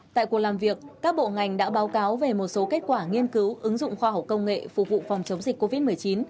tại cuộc làm việc các bộ ngành đã báo cáo về một số kết quả nghiên cứu ứng dụng khoa học công nghệ phục vụ phòng chống dịch covid một mươi chín